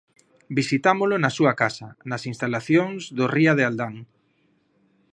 Visitámolo na súa casa, nas instalacións do Ría de Aldán.